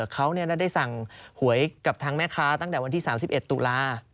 เขาได้สั่งหวยกับทางแม่ค้าตั้งแต่วันที่๓๑ตุลา